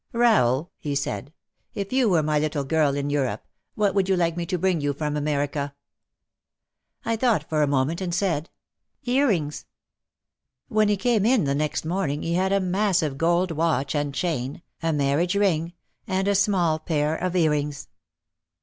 "Rahel," he said, "if you were my little girl in Europe. 86 OUT OF THE SHADOW what would you like me to bring you from America ?" I thought for a moment and said, "Earrings/' When he came in the next morning he had a massive gold watch and chain, a marriage ring, and a small pair of earrings.